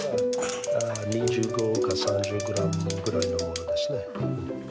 ２５３０ｇぐらいのものですね。